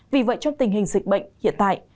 vì vậy trong tình hình dịch bệnh hiện tại